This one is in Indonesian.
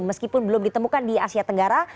meskipun belum ditemukan di asia tenggara